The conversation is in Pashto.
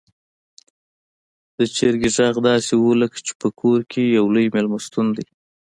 د چرګې غږ داسې و لکه چې په کور کې يو لوی میلمستون دی.